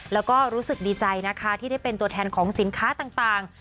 แล้วก็รู้สึกดีใจนะคะที่ได้เป็นตัวแทนของสินค้าต่าง